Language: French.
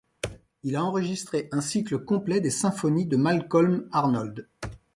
Il a enregistré un cycle complet des symphonies de Malcolm Arnold.